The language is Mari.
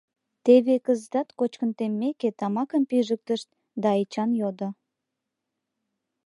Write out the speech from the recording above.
Теве кызытат, кочкын теммеке, тамакым пижыктышт, да Эчан йодо: